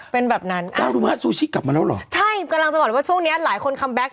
เป็นแบบนั้นอ่ะใช่กำลังจะบอกว่าช่วงนี้หลายคนคัมแบ็ค